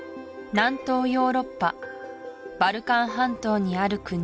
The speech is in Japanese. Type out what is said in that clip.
南東ヨーロッパバルカン半島にある国